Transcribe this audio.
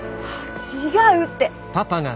違うって！